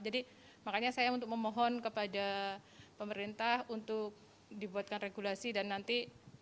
jadi makanya saya untuk memohon kepada pemerintah untuk dibuatkan regulasi dan nanti